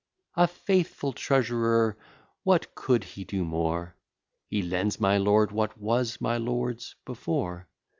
A faithful treasurer! what could he do more? He lends my lord what was my lord's before.